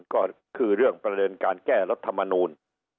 ก็คือเรื่องประเด็นการแก้รัฐมนูล